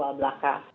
di luar belakang